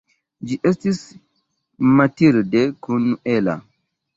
Ĝi estis Mathilde kun Ella.